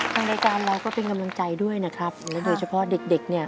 ทางรายการเราก็เป็นกำลังใจด้วยนะครับโดยเฉพาะเด็กเด็กเนี่ย